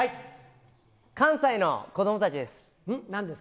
関西の子どもたちです。